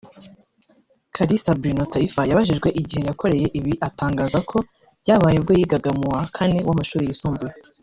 Kalisa Bruno Taifa yabajijwe igihe yakoreye ibi atangaza ko byabaye ubwo yigaga mu wa kane w’amashuri yisumbuye